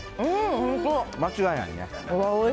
間違いないね。